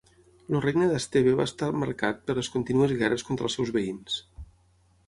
El regne d'Esteve va estar marcat per les contínues guerres contra els seus veïns.